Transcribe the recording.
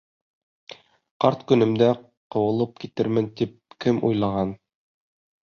Ҡарт көнөмдә ҡыуылып китермен тип кем уйлаған...